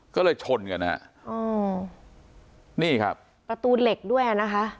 ก็เลยชนกันฮะอ๋อนี่ครับประตูเหล็กด้วยอ่ะนะคะ